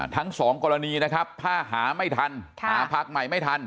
ทั้งสองกรณีนะครับถ้าหาไม่ทันหาพักใหม่ไม่ทัน